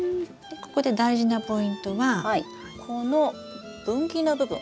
ここで大事なポイントはこの分岐の部分